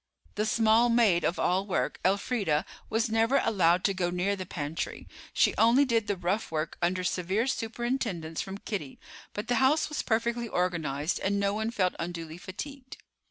The small maid of all work, Elfreda, was never allowed to go near the pantry. She only did the rough work under severe superintendence from Kitty; but the house was perfectly organized, and no one felt unduly fatigued.